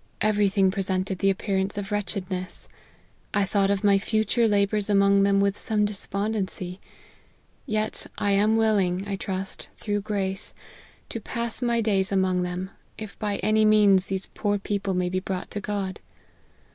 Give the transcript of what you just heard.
" Every thing presented the appearance of wretch edness. I thought of my future labours among them with some despondency ; yet I am willing, I trust, through grace, to pass my days among them, if by any means these poor people may be brought to God.